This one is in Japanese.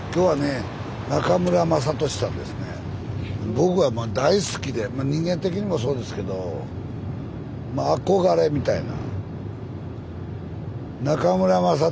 僕は大好きでまあ人間的にもそうですけどまあ憧れみたいな。